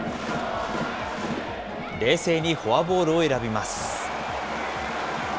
冷静にフォアボールを選びます。